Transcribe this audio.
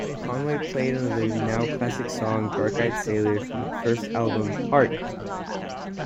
Conway played on their now-classic song "Dark-Eyed Sailor" from their first album, "Hark!